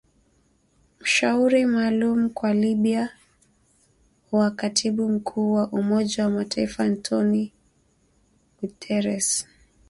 mshauri maalum kwa Libya wa katibu mkuu wa Umoja wa Mataifa Antonio Guterres